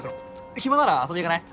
暇なら遊び行かない？